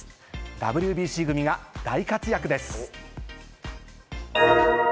ＷＢＣ組が大活躍です。